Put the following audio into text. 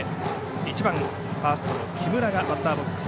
１番、ファーストの木村がバッターボックス。